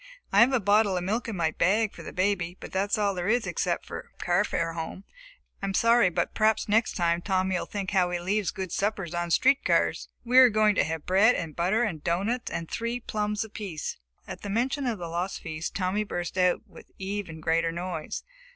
I have a bottle of milk in my bag for the baby, but that is all there is except carfare home, and I'm sorry but p'raps next time Tommy will think how he leaves good suppers on street cars. We were going to have bread and butter and doughnuts and three plums apiece." At the mention of the lost feast, Tommy burst out with even greater noise.